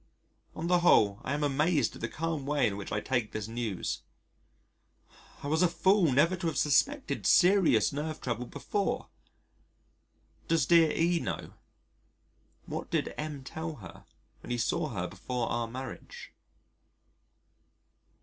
On the whole I am amazed at the calm way in which I take this news. I was a fool never to have suspected serious nerve trouble before. Does dear E know? What did M tell her when he saw her before our marriage?